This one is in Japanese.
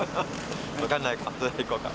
分かんないか行こうか。